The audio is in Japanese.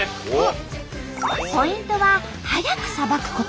ポイントは早くさばくこと。